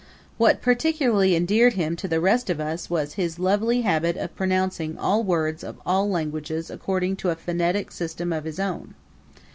What particularly endeared him to the rest of us was his lovely habit of pronouncing all words of all languages according to a fonetic system of his own.